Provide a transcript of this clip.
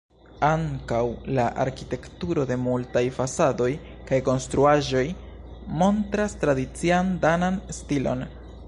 Ankaŭ la arkitekturo de multaj fasadoj kaj konstruaĵoj montras tradician danan stilon.